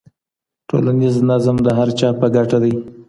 ټولنیز نظم د هر چا په ګټه دی.